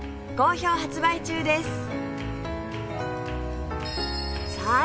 好評発売中です